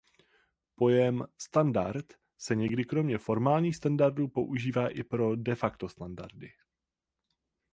Pojem „standard“ se někdy kromě formálních standardů používá i pro de facto standardy.